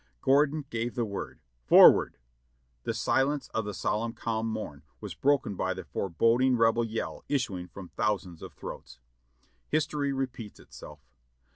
Gordon gave the word. '"Forward!" The silence of the solemn calm morn was broken by the for boding Rebel yell issuing from thousands of throats. History repeats itself.